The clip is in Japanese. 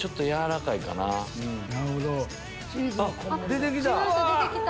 出て来た。